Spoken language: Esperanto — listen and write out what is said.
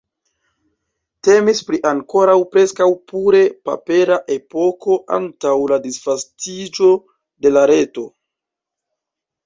Temis pri ankoraŭ preskaŭ pure papera epoko antaŭ la disvastiĝo de la reto.